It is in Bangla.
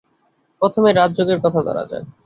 প্রথমে রাজযোগের কথা ধরা যাক।